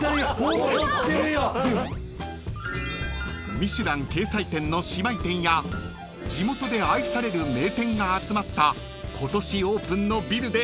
［『ミシュラン』掲載店の姉妹店や地元で愛される名店が集まった今年オープンのビルで］